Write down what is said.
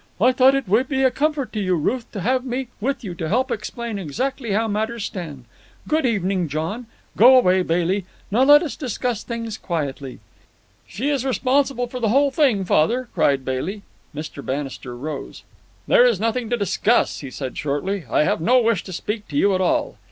"I thought it would be a comfort to you, Ruth, to have me with you to help explain exactly how matters stand. Good evening, John. Go away, Bailey. Now let us discuss things quietly." "She is responsible for the whole thing, father," cried Bailey. Mr. Bannister rose. "There is nothing to discuss," he said shortly. "I have no wish to speak to you at all.